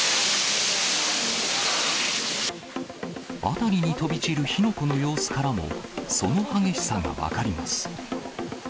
辺りに飛び散る火の粉の様子からも、その激しさが分かります。